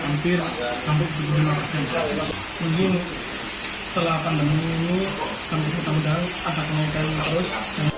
mungkin setelah pandemi ini tempat tempatan akan naikkan terus